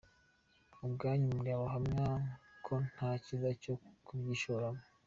Ubwanyu muri abahamya ko nta cyiza cyo kubyishoramo.